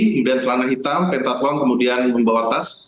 kemudian celana hitam pentathlon kemudian membawa tas